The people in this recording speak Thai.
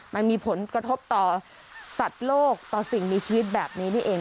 มันมีผลกระทบต่อสัตว์โลกต่อสิ่งมีชีวิตแบบนี้นี่เอง